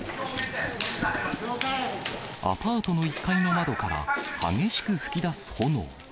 アパートの１階の窓から激しく噴き出す炎。